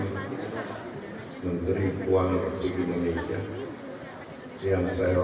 menteri puan republik indonesia